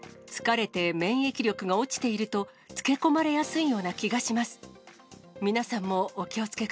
疲れて免疫力が落ちているとつけ込まれやすいような気がします。